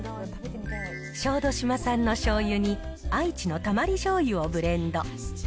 小豆島産のしょうゆに愛知のたまりじょうゆをブレンド。